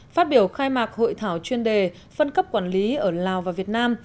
phát biểu khai mạc hội thảo chuyên đề phân cấp quản lý ở lào và việt nam